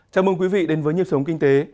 chào mừng quý vị đến với nhiệp sống kinh tế